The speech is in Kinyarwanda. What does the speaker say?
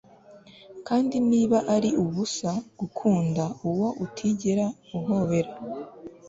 Kandi niba ari ubusa gukunda uwo utigera ahobera